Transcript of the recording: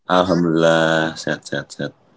alhamdulillah sehat sehat sehat